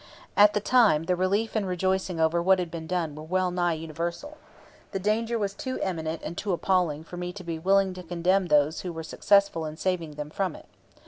At the time the relief and rejoicing over what had been done were well nigh universal. The danger was too imminent and too appalling for me to be willing to condemn those who were successful in saving them from it.